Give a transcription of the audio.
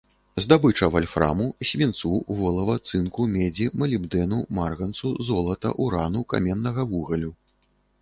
Здабыча вальфраму, свінцу, волава, цынку, медзі, малібдэну, марганцу, золата, урану, каменнага вугалю.